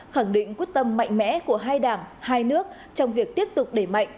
khẳng định quyết tâm mạnh mẽ của hai đảng hai nước trong việc tiếp tục đẩy mạnh